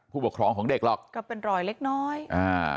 ผู้ปกครองของเด็กหรอกก็เป็นรอยเล็กน้อยอ่า